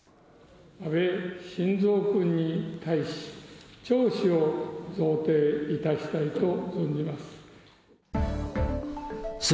安倍晋三君に対し、弔詞を贈呈いたしたいと思います。